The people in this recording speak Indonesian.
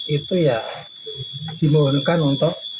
itu ya dimohonkan untuk